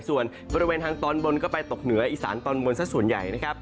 ส่วนบริเวณทางตอนบนก็ไปตกเหนืออีสานตอนบนสักส่วนใหญ่นะครับ